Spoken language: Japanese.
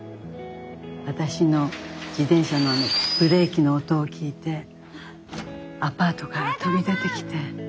私の自転車のブレーキの音を聞いてアパートから飛び出てきて。